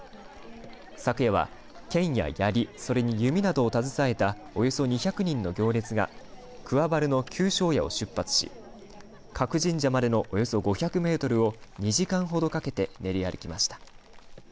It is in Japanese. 昨夜は剣ややりそれに弓などを携えたおよそ２００人の行列が桑原の旧庄屋を出発し賀来神社までのおよそ５００メートルを２時間ほどかけて練り歩きました。